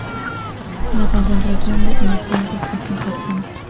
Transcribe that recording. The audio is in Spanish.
La concentración de nutrientes es importante.